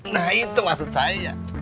nah itu maksud saya